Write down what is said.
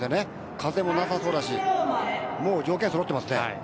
風もなさそうだし条件そろっています。